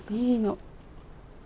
いいの。